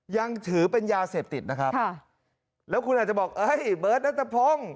ยังถือเป็นยาเสพติดนะครับค่ะแล้วคุณอาจจะบอกเอ้ยเบิร์ตนัทพงศ์